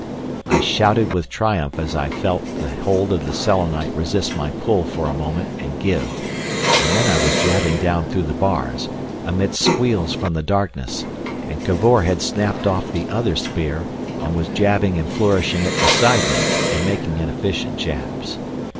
I shouted with triumph as I felt the hold of the Selenite resist my pull for a moment and give, and then I was jabbing down through the bars, amidst squeals from the darkness, and Cavor had snapped off the other spear, and was leaping and flourishing it beside me, and making inefficient jabs.